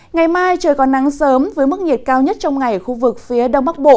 ngày mai trời còn nắng sớm với mức nhiệt cao nhất trong ngày ở khu vực phía đông bắc bộ